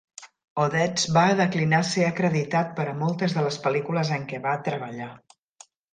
Odets va declinar ser acreditat per a moltes de les pel·lícules en què va treballar.